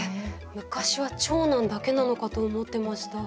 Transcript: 昔は長男だけなのかと思ってました。